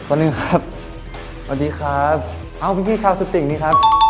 อันดับ๑ครับสวัสดีครับอ้าวพี่ชาวสุติกนี่ครับ